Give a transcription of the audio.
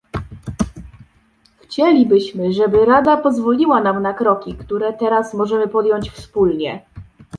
Chcielibyśmy, żeby Rada pozwoliła nam na kroki, które teraz możemy podjąć wspólnie